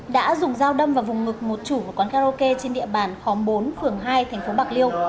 đã dùng dao đâm vào vùng ngực một chủ của quán karaoke trên địa bàn khóm bốn phường hai thành phố bạc liêu